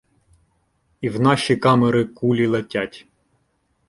І в наші камери кулі летять.